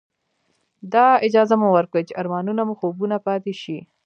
دا اجازه مه ورکوئ چې ارمانونه مو خوبونه پاتې شي.